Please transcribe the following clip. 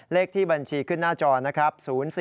เลขที่บัญชีขึ้นหน้าจอนะครับ